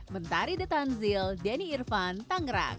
bentar di the tanzil denny irvan tangerang